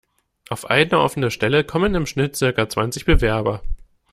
Auf eine offene Stelle kommen im Schnitt circa zwanzig Bewerber.